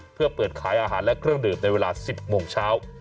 เพื่อเปิดขายอาหารและเครื่องดื่มในเวลา๑๐โมงเช้า